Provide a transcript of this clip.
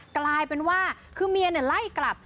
กลายเป็นว่าคือเมียไล่กลับ